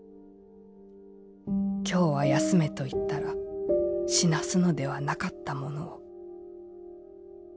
「今日は休めと言ったら死なすのではなかったものを」。